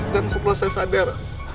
dan setelah saya sadar